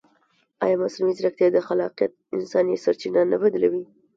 ایا مصنوعي ځیرکتیا د خلاقیت انساني سرچینه نه بدلوي؟